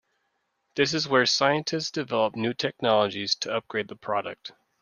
This is where scientists develop new technologies to upgrade the product.